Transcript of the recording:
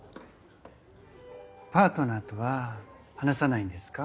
パートナーとは話さないんですか？